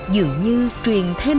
dường như truyền thêm